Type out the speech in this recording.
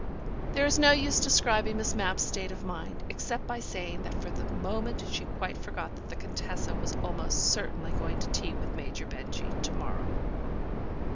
There is no use in describing Miss Mapp's state of mind, except by saying that for the moment she quite forgot that the Contessa was almost certainly going to tea with Major Benjy to morrow.